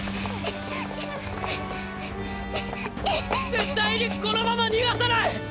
絶対にこのまま逃がさない！